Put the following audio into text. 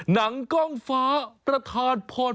หนังกล้องฟ้าประธานพร